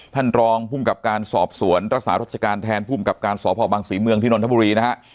ท่านรองภูมิกับการสอบสวนรักษารัชการแทนภูมิกับการสพบังศรีเมืองที่นนทบุรีนะฮะ